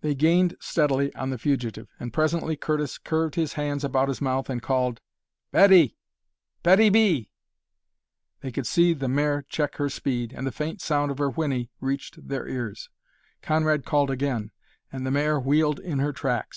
They gained steadily on the fugitive, and presently Curtis curved his hands about his mouth and called, "Betty! Betty B!" They could see the mare check her speed, and the faint sound of her whinny reached their ears. Conrad called again; and the mare wheeled in her tracks.